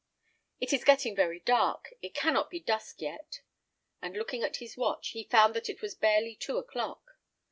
It is getting very dark: it cannot be dusk yet." And looking at his watch, he found that it was barely two o'clock.